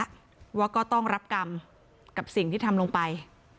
เพราะว่าก็ต้องรับกรรมกับสิ่งที่ทำลงไป